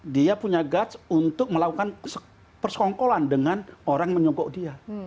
dia punya guts untuk melakukan persekongkolan dengan orang menyongkok dia